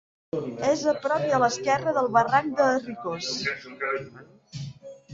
És a prop i a l'esquerra del barranc de Ricós.